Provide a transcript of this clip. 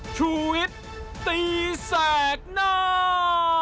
ชุวิตตีแสงหน้า